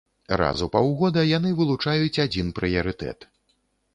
Раз у паўгода яны вылучаюць адзін прыярытэт.